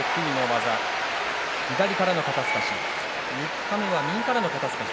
左からの肩すかし。